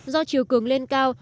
do triều cường lên cao